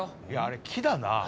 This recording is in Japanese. いやあれ木だな。